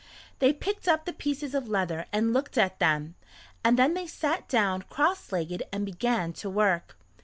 They picked up the pieces of leather and looked at them, and then they sat down cross legged and began to work.